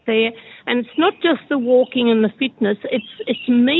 manfaat sosial dari berjalan kaki